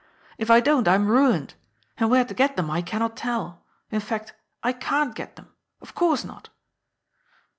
If I don't, I am ruined. And where to get them I cannot tell. In fact, I can't get them. Of course not."